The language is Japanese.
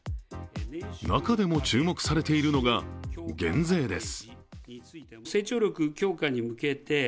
中でも注目されているのが減税です。